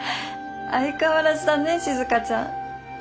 相変わらずだね静ちゃん。